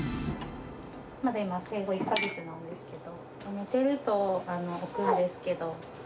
まだ今、生後１か月なんですけど、寝てると置くんですけど。